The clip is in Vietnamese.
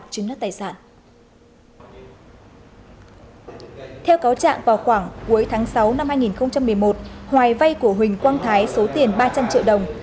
cuối tháng sáu năm hai nghìn một mươi một hoài vay của huỳnh quang thái số tiền ba trăm linh triệu đồng